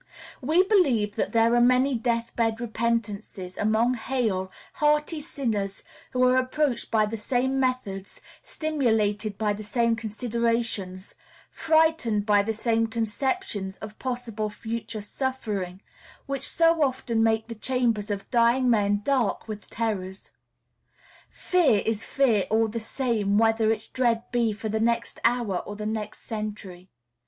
We believe that there are many "death bed repentances" among hale, hearty sinners, who are approached by the same methods, stimulated by the same considerations, frightened by the same conceptions of possible future suffering, which so often make the chambers of dying men dark with terrors. Fear is fear all the same whether its dread be for the next hour or the next century.